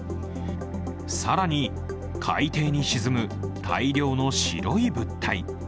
更に、海底に沈む大量の白い物体。